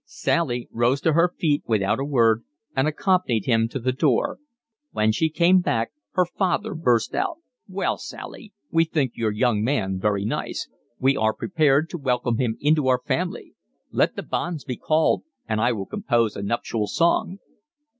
Sally rose to her feet without a word and accompanied him to the door. When she came back her father burst out: "Well, Sally, we think your young man very nice. We are prepared to welcome him into our family. Let the banns be called and I will compose a nuptial song."